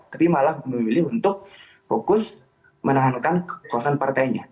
tapi malah memilih untuk fokus menahankan kekuasaan partainya